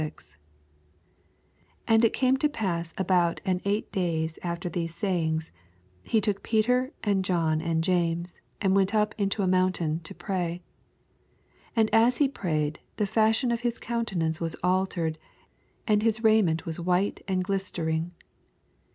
SS And it came to pass about an tight days after these sayings, he took Peter and John and James, and went up into a mountain to pray. 29 Aiid as be prayed, tbe fashion of his countenance was altered, and his raiment voas white and fflistenng.